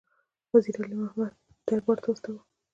وزیر علي مُلا محمد دربار ته واستاوه.